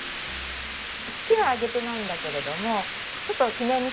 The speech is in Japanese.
式は挙げてないんだけれどもちょっと記念に写真を撮りたい。